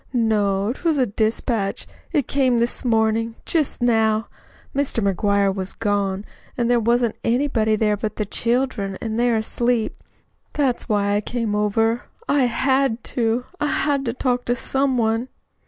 "No, 'twas a dispatch. It came this mornin'. Just now. Mr. McGuire was gone, an' there wasn't anybody there but the children, an' they're asleep. That's why I came over. I HAD to. I had to talk to some one!"